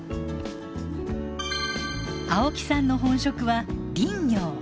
青木さんの本職は林業。